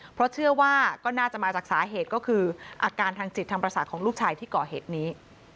เพราะเชื่อว่าก็น่าจะมาจากสาเหตุก็คืออาการทางจิตทางประสาทของลูกชายที่ก่อเหตุนี้